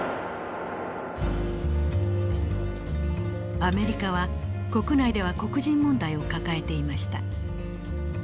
アメリカは国内では黒人問題を抱えていました。